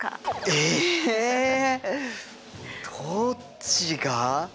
えどっちが？